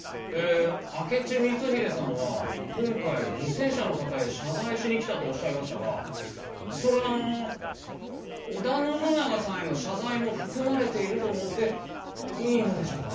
明智光秀さんは今回犠牲者の方へ謝罪しに来たとおっしゃいましたがそれはあの織田信長さんへの謝罪も含まれていると思っていいのでしょうか？